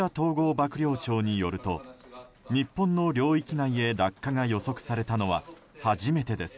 幕僚長によると日本の領域内へ落下が予測されたのは初めてです。